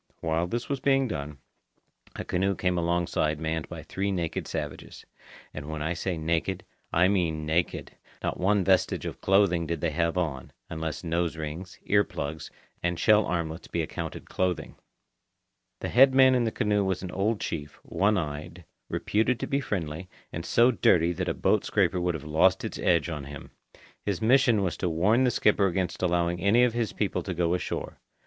While this was being done, a canoe came alongside manned by three naked savages. And when I say naked, I mean naked. Not one vestige of clothing did they have on, unless nose rings, ear plugs, and shell armlets be accounted clothing. The head man in the canoe was an old chief, one eyed, reputed to be friendly, and so dirty that a boat scraper would have lost its edge on him. His mission was to warn the skipper against allowing any of his people to go ashore.